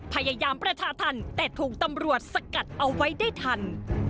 พยายามประชาธรรมแต่ถูกตำรวจสกัดเอาไว้ได้ทัน